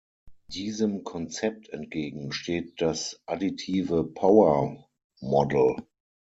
Diesem Konzept entgegen steht das Additive-Power-Model.